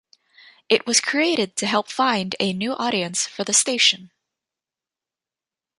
It was created to help find a new audience for the station.